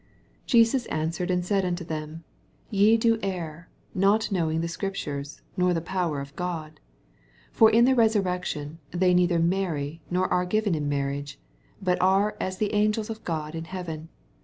29 Jesis answered and said unto them. Ye do err, not knowing t^t Scriptnies, nor the power of God. 80 For in the resurrection they neither marry, nor are given in mar riage, but are as the angels of God in heaven.